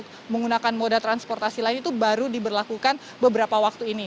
untuk menggunakan moda transportasi lain itu baru diberlakukan beberapa waktu ini